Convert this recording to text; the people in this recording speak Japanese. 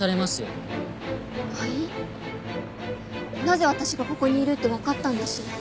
なぜ私がここにいるってわかったんです？